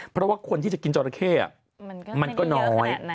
เพราะว่าคนที่จะกินจราเข้มันก็น้อย